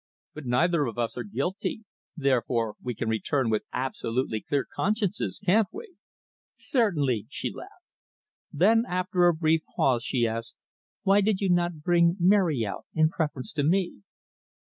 "But neither of us are guilty, therefore we can return with absolutely clear consciences, can't we?" "Certainly," she laughed. Then, after a brief pause, she asked, "Why did you not bring Mary out in preference to me?"